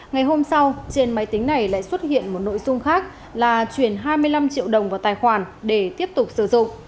ngày hôm sau trên máy tính này lại xuất hiện một nội dung khác là chuyển hai mươi năm triệu đồng vào tài khoản để tiếp tục sử dụng